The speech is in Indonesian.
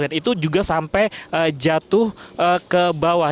dan itu juga sampai jatuh ke bawah